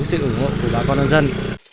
sự ủng hộ của bà con nhân dân